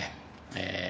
ええ。